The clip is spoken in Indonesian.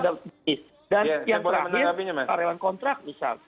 dan yang terakhir karewan kontrak misal